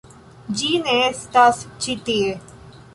Ĝi ne estas ĉi tie